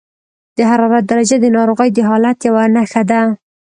د حرارت درجه د ناروغۍ د حالت یوه نښه ده.